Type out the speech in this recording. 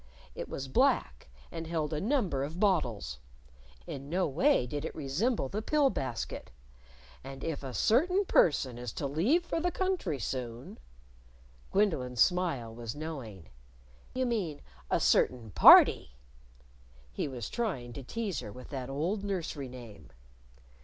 It was black, and held a number of bottles. In no way did it resemble the pill basket. "And if a certain person is to leave for the country soon " Gwendolyn's smile was knowing. "You mean 'a certain party.'" He was trying to tease her with that old nursery name!